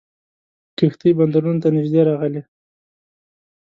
کښتۍ بندرونو ته نیژدې راغلې.